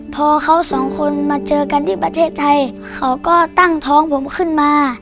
พอเขาสองคนมาเจอกันที่ประเทศไทยเขาก็ตั้งท้องผมขึ้นมา